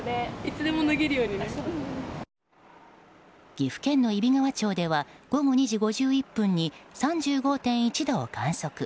岐阜県の揖斐川町では午後２時５１分に３５．１度を観測。